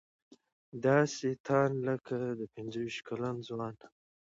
داسې تاند لکه د پنځه ویشت کلن ځوان.